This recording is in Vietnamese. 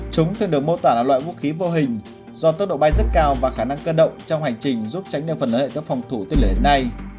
chúng thường được mô tả là loại vũ khí vô hình do tốc độ bay rất cao và khả năng cơ động trong hành trình giúp tránh được phần lợi các phòng thủ tên lửa hiện nay